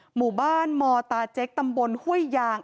หมู่บ้านมตาเจ๊กตำบลห้วยยาง